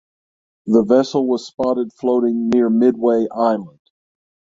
The vessel was spotted floating near Midway Island.